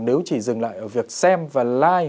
nếu chỉ dừng lại ở việc xem và like